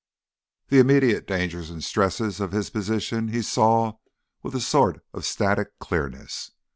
The immediate dangers and stresses of his position he saw with a sort of static clearness.